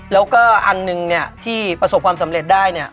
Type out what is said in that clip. แล้วก็อันหนึ่งเนี่ยที่ประสบความสำเร็จได้เนี่ย